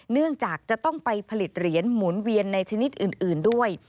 เนื่องจากจะต้องไปผลิตเหรียญหมุนเวียนในชนิดอื่นด้วย